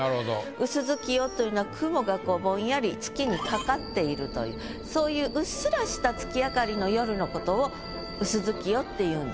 「薄月夜」というのは雲がこうぼんやり月に掛かっているというそういううっすらした月明かりの夜のことを薄月夜っていうんです。